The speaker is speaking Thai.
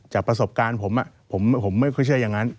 ประสบการณ์ผมผมไม่ค่อยเชื่ออย่างนั้น